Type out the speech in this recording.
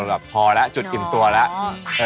แบบพอแล้วจุดอิ่มตัวแล้ว